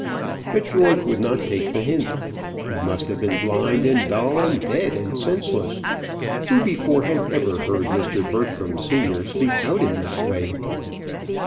But George would not take the hint. He must have been blind and dull, and dead and senseless. Who before had ever heard Mr. Bertram senior speak out in that way?